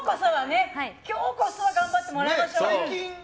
今日こそは頑張ってもらいましょう。